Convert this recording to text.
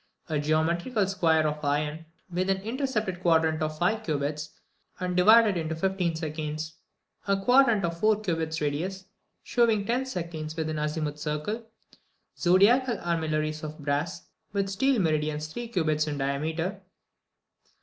20. A geometrical square of iron, with an intercepted quadrant of five cubits, and divided into fifteen seconds. 21. A quadrant of four cubits radius, shewing ten seconds, with an azimuth circle. 22. Zodiacal armillaries of brass, with steel meridians, three cubits in diameter.